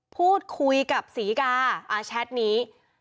พูดคุยกับศรีกาแชทนี้